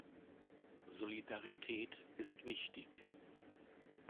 Solidarität ist wichtig.